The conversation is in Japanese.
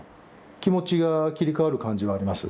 気持ちが切り替わる感じはあります。